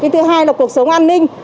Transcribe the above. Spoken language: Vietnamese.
thứ hai là cuộc sống an ninh